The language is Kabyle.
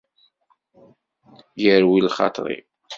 Irwi lxaṭer-iw.